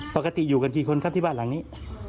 ปกติอยู่กันกี่คนครับที่บ้านหลังนี้